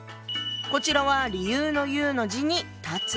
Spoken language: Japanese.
こちらは理由の「由」の字に「断つ」。